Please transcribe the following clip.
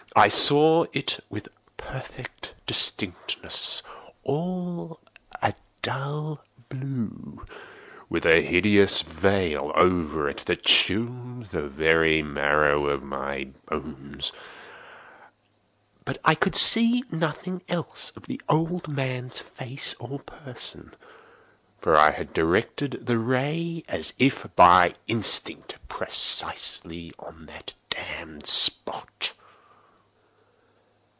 I saw it with perfect distinctness—all a dull blue, with a hideous veil over it that chilled the very marrow in my bones; but I could see nothing else of the old man's face or person: for I had directed the ray as if by instinct, precisely upon the damned spot.